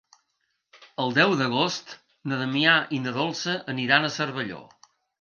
El deu d'agost na Damià i na Dolça aniran a Cervelló.